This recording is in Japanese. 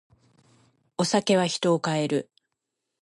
お酒は人を変える。